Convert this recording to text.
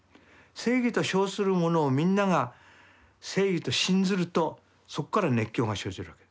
正義と称するものをみんなが正義と信ずるとそこから熱狂が生じるわけ。